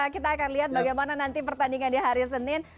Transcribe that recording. kita akan lihat bagaimana nanti pertandingan di hari senin